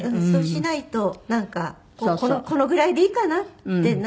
そうしないとなんかこのぐらいでいいかなって。